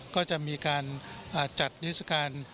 ก็จะมีการจัดนิสการ